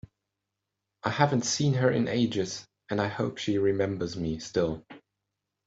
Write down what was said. I haven’t seen her in ages, and I hope she remembers me still!